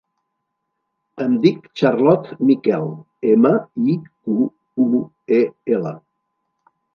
Em dic Charlotte Miquel: ema, i, cu, u, e, ela.